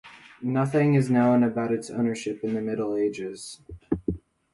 Nothing is known about its ownership in the Middle Ages.